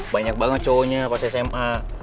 banyak banget cowoknya pas sma